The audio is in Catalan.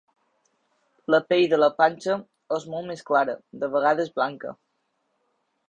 La pell de la panxa és molt més clara, de vegades blanca.